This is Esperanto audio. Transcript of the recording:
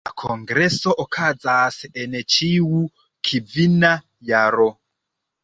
La kongreso okazas en ĉiu kvina jaro.